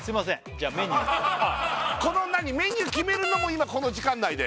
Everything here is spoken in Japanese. じゃあメニューこの何メニュー決めるのも今この時間内で？